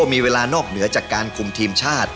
มีเวลานอกเหนือจากการคุมทีมชาติ